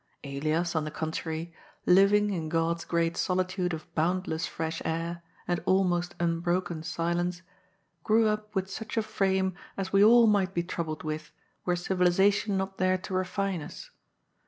Elias, on the contrary, living in Ood's great solitude of boundless fresh air and almost unbroken silence, grew up with such a frame as we all might be troubled with, were civilization not there to refine us.